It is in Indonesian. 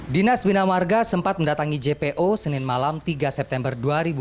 dinas bina warga sempat mendatangi jpo senin malam tiga september dua ribu delapan belas